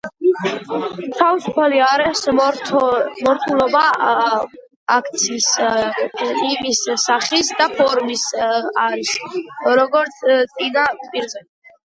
თავისუფალი არეს მორთულობა აქაც იმ სახის და ფორმის არის, როგორც წინა პირზე.